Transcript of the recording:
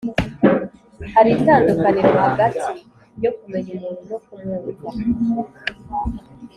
hari itandukaniro hagati yo kumenya umuntu no kumwumva